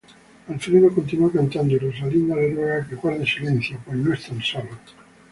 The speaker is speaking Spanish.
Alfredo continúa cantando y Rosalinda le ruega que guarde silencio pues no están solos.